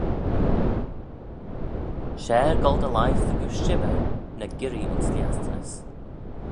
Share goll dy lhie fegooish shibber na girree ayns lhiastynys